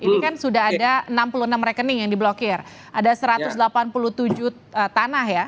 ini kan sudah ada enam puluh enam rekening yang diblokir ada satu ratus delapan puluh tujuh tanah ya